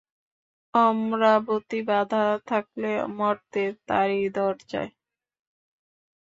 অমরাবতী বাঁধা থাকবে মর্তে তাঁরই দরজায়।